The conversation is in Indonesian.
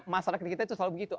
masyarakat kita itu selalu begitu